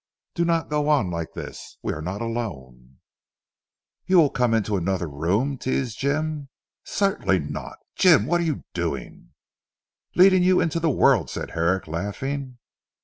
Do not go on like this. We are not alone." "Will you come into another room?" teased Jim. "Certainly not. Jim what are you doing?" "Leading you into the world," said Herrick laughing.